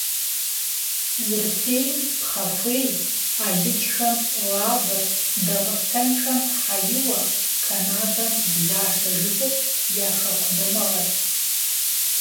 Урысейм пхъэхуей, алыджхэм лавр, дагъыстэнхэм хьэиуэ, канадэм блашэ жыгыр я хэку дамыгъэщ.